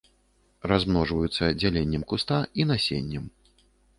Размножваюцца дзяленнем куста і насеннем.